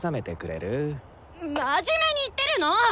真面目に言ってるの！